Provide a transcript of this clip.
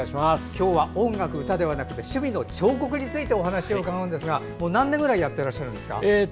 今日は音楽、歌ではなく趣味の彫刻についてお話を伺うんですが何年ぐらいやっていらっしゃるんですか？